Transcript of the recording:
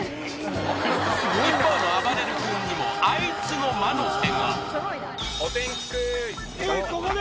一方のあばれる君にもあいつの魔の手がえっここで！？